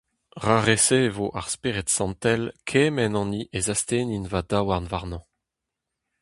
Ra resevo ar Spered Santel kement hini ez astennin va daouarn warnañ.